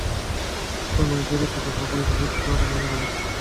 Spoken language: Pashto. خپل ملګري ته د هغوی د هڅو په اړه مننه وکړه.